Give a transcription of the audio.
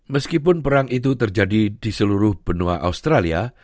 meskipun perang itu terjadi di seluruh benua australia